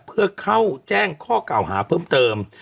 เพื่อเข้าแจ้งข้อกล่าวหาเพิ่มเติม